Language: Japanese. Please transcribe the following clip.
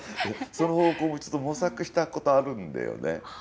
その方向、一度模索したことあるんだよね。